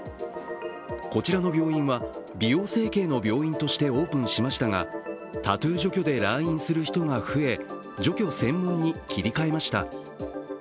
こちらの病院は、美容整形の病院としてオープンしましたがタトゥー除去で来院する人が増え、除去専門に切り替えました。